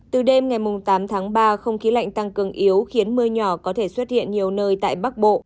từ đêm ngày tám tháng ba không khí lạnh tăng cường yếu khiến mưa nhỏ có thể xuất hiện nhiều nơi tại bắc bộ